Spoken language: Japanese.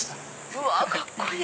うわカッコいい！